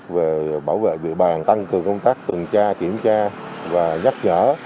về bảo vệ địa bàn tăng cường công tác tuần tra kiểm tra và nhắc nhở